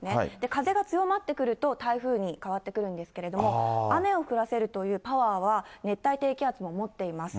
風が強まってくると、台風に変わってくるんですけれども、雨を降らせるというパワーは、熱帯低気圧も持っています。